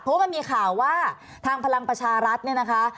เพราะมันมีข่าวว่าทางพลังประชารัฐเนี่ยนะคะ